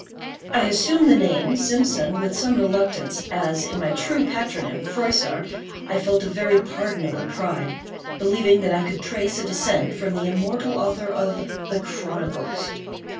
I assumed the name, Simpson, with some reluctance, as in my true patronym, Froissart, I felt a very pardonable pride—believing that I could trace a descent from the immortal author of the "Chronicles."